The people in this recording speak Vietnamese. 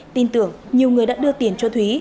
tin tưởng nhiều người đã đưa tiền cho thúy